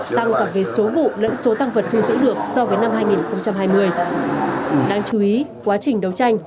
tăng cả về số vụ lẫn số tăng vật thu giữ được so với năm hai nghìn hai mươi đáng chú ý quá trình đấu tranh